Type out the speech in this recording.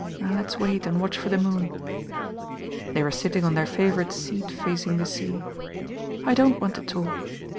Now let's wait and watch for the moon." They were sitting on their favourite seat facing the sea. "I don't want to talk.